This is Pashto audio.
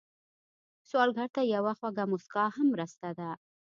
سوالګر ته یوه خوږه مسکا هم مرسته ده